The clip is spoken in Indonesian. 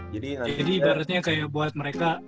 jadi ibaratnya kayak buat mereka